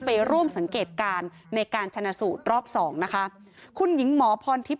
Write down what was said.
ไปร่วมสังเกตการณ์ในการชนะสูตรรอบสองนะคะคุณหญิงหมอพรทิพย